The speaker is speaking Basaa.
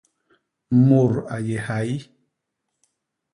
Mut a yé hai.